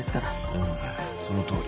うんそのとおり。